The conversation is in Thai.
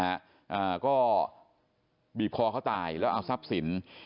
อ่าก็บีบคอเขาตายแล้วเอาทรัพย์สิน